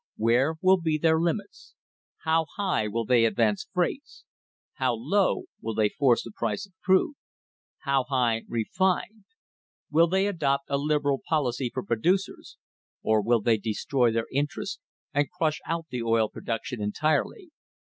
Where will be their limits ? How high will they advance freights ? How low will they force the price of crude ? How high refined ? Will they adopt a liberal policy for producers, or will they destroy their interests and crush out the oil production entirely